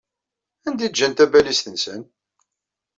Anda ay ǧǧan tabalizt-nsen?